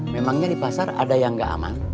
memangnya di pasar ada yang nggak aman